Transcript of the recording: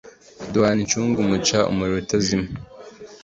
Duhorana incungu Mucana umuriro utazima.